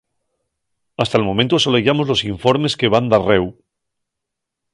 Hasta'l momentu asoleyamos los informes que van darréu.